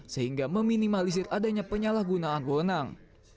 sehingga meminimalisir adanya penyalahgunaan wewenang